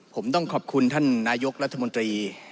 ผมต้องขอบคุณท่านนายกรัฐมนตรี